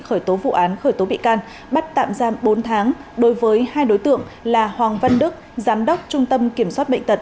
khởi tố vụ án khởi tố bị can bắt tạm giam bốn tháng đối với hai đối tượng là hoàng văn đức giám đốc trung tâm kiểm soát bệnh tật